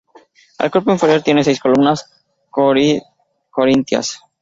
El cuerpo inferior tiene seis columnas corintias.